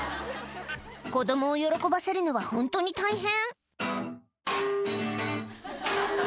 子供を喜ばせるのはホントに大変